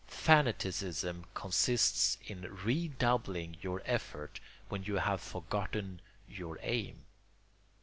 Fanaticism consists in redoubling your effort when you have forgotten your aim.